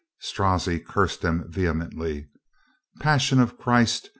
Strozzi cursed them vehemently. "Passion of Christ!